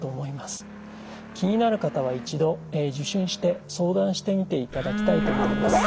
気になる方は一度受診して相談してみていただきたいと思います。